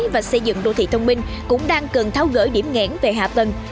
và xây dựng đô thị thông minh cũng đang cần tháo gỡ điểm nghẽn về hạ tầng